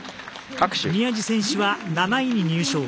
宮路選手は７位に入賞。